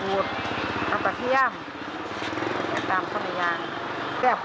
อื้งเนี่ยกระแทรกไปช่วงนึง